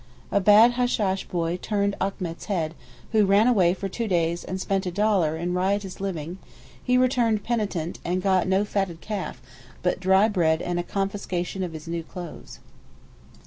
A bad hashash boy turned Achmet's head, who ran away for two days and spent a dollar in riotous living; he returned penitent, and got no fatted calf, but dry bread and a confiscation of his new clothes.